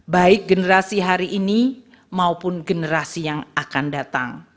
baik generasi hari ini maupun generasi yang akan datang